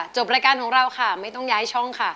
จบรายการของเราไม่ต้องย้ายช่อง